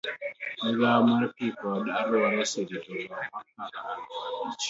migawo mar pi kod alwora oserito lowo mokalo aluf abich.